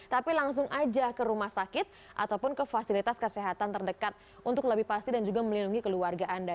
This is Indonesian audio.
tapi langsung aja ke rumah sakit ataupun ke fasilitas kesehatan terdekat untuk lebih pasti dan juga melindungi keluarga anda